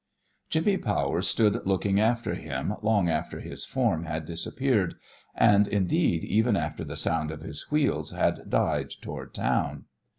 Jimmy Powers stood looking after him long after his form had disappeared, and indeed even after the sound of his wheels had died toward town.